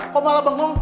kau malah bengong